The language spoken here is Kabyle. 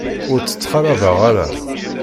Ur tt-ttxalaḍeɣ ara.